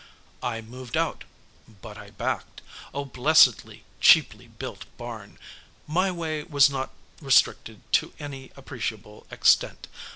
I moved out. But I backed. Oh, blessed, cheaply built barn. My way was not restricted to any appreciable extent.